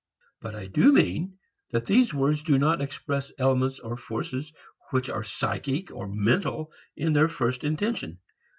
But I do mean that these words do not express elements or forces which are psychic or mental in their first intention.